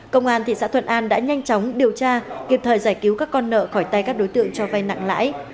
công an thị xã thuận an đã nhanh chóng điều tra kịp thời giải cứu các con nợ khỏi tay các đối tượng cho vay nặng lãi